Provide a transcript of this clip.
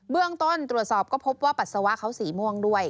เรื่องต้นตรวจสอบก็พบว่าปัสสาวะเขาสีม่วงด้วย